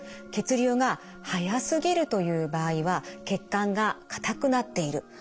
血流が速すぎるという場合は血管が硬くなっている。